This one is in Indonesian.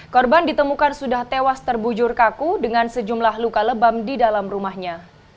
korban ditemukan sudah tewas terbujur kaku dengan sejumlah luka lebam di dalam rumahnya